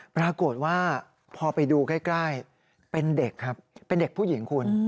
ปรากฏว่าพอไปดูใกล้เป็นเด็กครับเป็นเด็กผู้หญิงคุณ